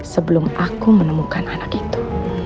sebelum aku menemukan anak itu